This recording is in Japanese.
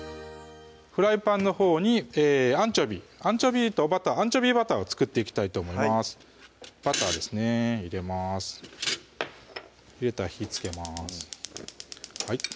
フライパンのほうにアンチョビーアンチョビーとバターアンチョビバターを作っていきたいと思いますバターですね入れます入れたら火つけます